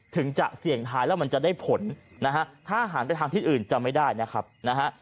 ถึงจะเสี่ยงท้ายแล้วมันจะได้ผลนะฮะถ้าหันไปทางที่อื่นจะไม่ได้นะครับนะฮะ